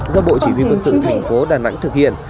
do bộ chỉ huy quân sự thành phố đà nẵng thực hiện